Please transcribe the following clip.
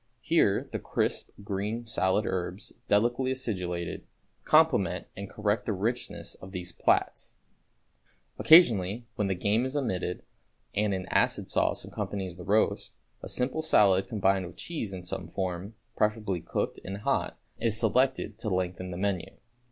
Here the crisp, green salad herbs, delicately acidulated, complement and correct the richness of these plats. Occasionally when the game is omitted and an acid sauce accompanies the roast, a simple salad combined with cheese in some form, preferably cooked and hot, is selected to lengthen the menu.